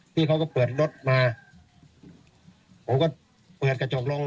พี่เขาก็เปิดรถมาผมก็เปิดกระจกลง